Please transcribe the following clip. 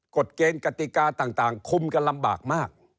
กฎเกณฑ์กติกาต่างคุมกันลำบากมาก